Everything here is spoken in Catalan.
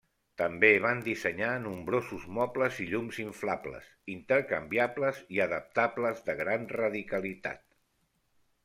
També van dissenyar nombrosos mobles i llums inflables, intercanviables i adaptables de gran radicalitat.